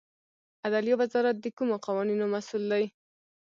عدلیې وزارت د کومو قوانینو مسوول دی؟